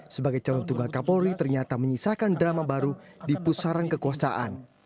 sebagai calon tunggal kapolri ternyata menyisakan drama baru di pusaran kekuasaan